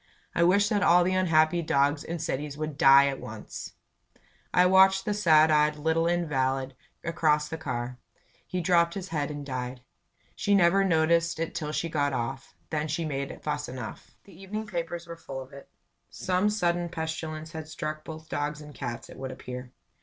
"I wish that all the unhappy dogs in cities would die at once!" I watched the sad eyed little invalid across the car. He dropped his head and died. She never noticed it till she got off; then she made fuss enough. The evening papers were full of it. Some sudden pestilence had struck both dogs and cats, it would appear.